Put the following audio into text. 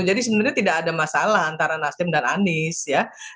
jadi sebenarnya tidak ada masalah antara nasdem dan anies ya